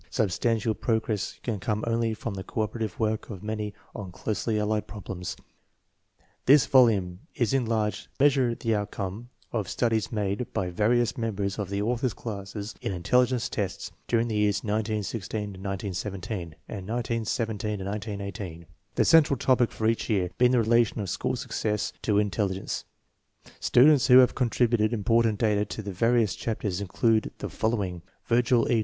Substantial progress can come only from the cooperative work of many on closely allied problems. This volume is in large measure the outcome of studies made by various mem bers of the author's classes in intelligence tests during the years 1916 17 and 1917 18, the central topic for each year being the relation of school success to intel ligence* Students who have contributed important data to the various chapters include the following: Virgil E.